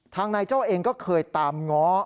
นายโจ้เองก็เคยตามง้อ